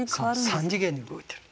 ３次元に動いてる。